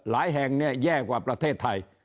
หลายแห่งแย่กว่าประเทศไทย